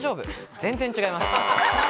全然違います。